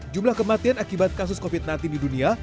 jumlah kematian akibat kasus covid sembilan belas di dunia